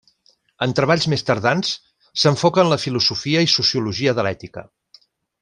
En treballs més tardans, s'enfoca en la filosofia i sociologia de l'ètica.